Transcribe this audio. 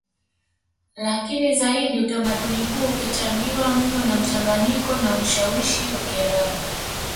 Lakini zaidi utamaduni huu ukichangiwa mno na mchanganyiko na ushawishi wa Kiarabu